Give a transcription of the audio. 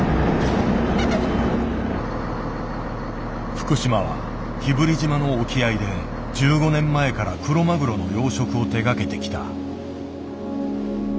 福島は日振島の沖合で１５年前からクロマグロの養殖を手がけてきた。